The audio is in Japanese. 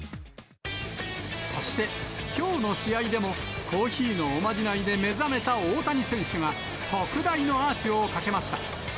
そして、きょうの試合でも、コーヒーのおまじないで目覚めた大谷選手が、特大のアーチをかけました。